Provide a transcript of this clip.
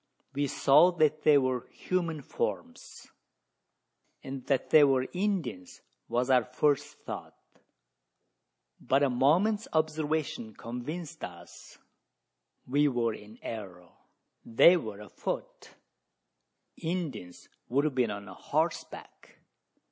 We saw that they were human forms; and that they were Indians was our first thought; but a moment's observation convinced us we were in error. They were afoot Indians would have been on horseback.